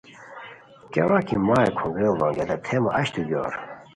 کیاوت کی مہ ہیہ کھونگیر ڑینگیتائے تھے مہ اچتو گیور